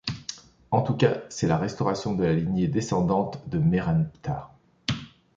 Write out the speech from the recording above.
En tout cas c'est la restauration de la lignée descendante de Mérenptah.